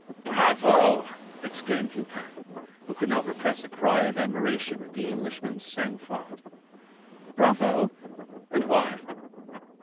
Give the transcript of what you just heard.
"Bravo!" exclaimed Lupin, who could not repress a cry of admiration at the Englishman's sang froid. "Bravo? and why?"